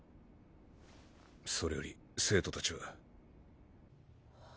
それより生徒達は。